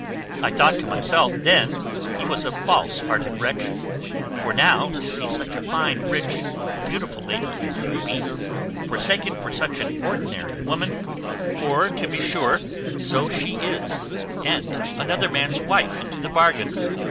I thought to myself then he was a false hearted wretch; but, now, to see such a fine, rich, beautiful lady as you be, forsaken for such an ordinary woman; for to be sure so she is, and another man's wife into the bargain.